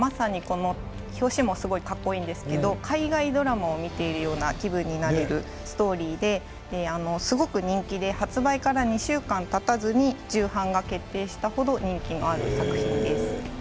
表紙もかっこいいんですけれども海外ドラマを見ているような気分になるストーリーですごく人気で発売から２週間たたずに重版が決定した程人気がある作品です。